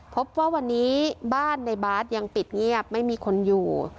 พบว่าวันนี้บ้านในบาร์ดยังปิดเงียบไม่มีคนอยู่